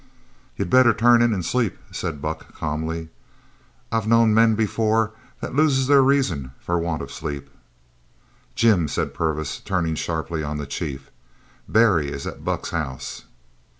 "You better turn in an' sleep," said Buck calmly. "I've knowed men before that loses their reason for want of sleep!" "Jim," said Purvis, turning sharply on the chief, "Barry is at Buck's house!"